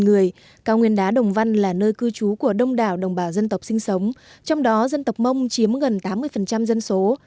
cao nguyên đá đồng văn là nơi cư trú của đông đảo đồng bào dân tộc sinh sống trong đó dân tộc mông chiếm gần tám mươi dân số